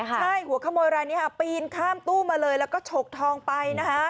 ใช่หัวขโมยรายนี้ปีนข้ามตู้มาเลยแล้วก็ฉกทองไปนะคะ